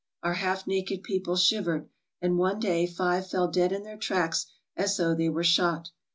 Our half naked people shivered, and one day five fell dead in their tracks as though they were shot.